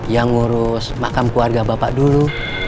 yang ngurus makam keluarga bapak dulu